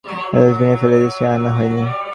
ডাস্ট্রবিনে ফেলে দিয়েছি বলে আনা হয় নি।